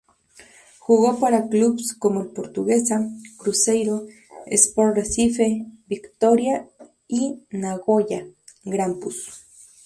Jugó para clubes como el Portuguesa, Cruzeiro, Sport Recife, Vitória y Nagoya Grampus.